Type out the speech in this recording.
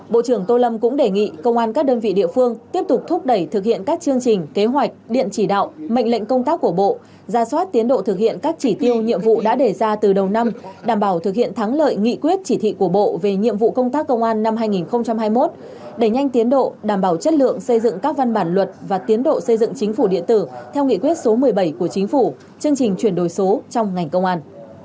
bộ trưởng tô lâm cũng đề nghị công an các đơn vị địa phương tiếp tục thúc đẩy thực hiện các chương trình kế hoạch điện chỉ đạo mệnh lệnh công tác của bộ ra soát tiến độ thực hiện các chỉ tiêu nhiệm vụ đã đề ra từ đầu năm đảm bảo thực hiện thắng lợi nghị quyết chỉ thị của bộ về nhiệm vụ công tác công an năm hai nghìn hai mươi một đẩy nhanh tiến độ đảm bảo chất lượng xây dựng các văn bản luật và tiến độ xây dựng chính phủ điện tử theo nghị quyết số một mươi bảy của chính phủ chương trình chuyển đổi số trong ngành công an